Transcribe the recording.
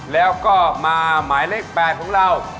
แล้วก็มาหมายเลข๘ของเรา